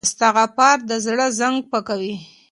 استغفار د زړه زنګ پاکوي.